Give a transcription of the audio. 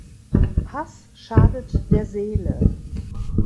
Hass schadet der Seele.